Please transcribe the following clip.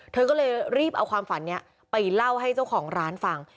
เธอก็เลยรีบเอาความฝันนี้ไปเล่าให้เจ้าของร้านฟัง